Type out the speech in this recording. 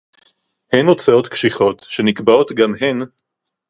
הן הוצאות קשיחות שנקבעות גם הן